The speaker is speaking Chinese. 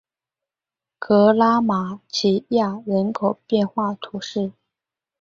格拉马齐耶人口变化图示